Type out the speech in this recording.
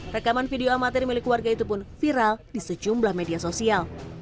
rekaman video amatir milik warga itu pun viral di sejumlah media sosial